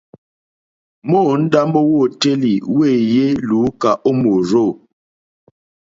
Móǒndá mówǒtélì wéèyé lùúkà ó mòrzô.